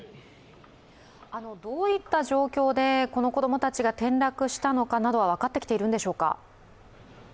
どういった状況でこの子供たちが転落したのかなどは分かってきているんでしょうか？